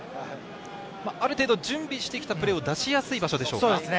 ある程度、準備してきたプレーを出しやすい場所でしょうか。